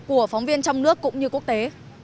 của phóng viên trong nước cũng như quốc tế